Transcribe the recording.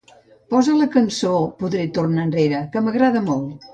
Posa la cançó "Podré tornar enrere", que m'agrada molt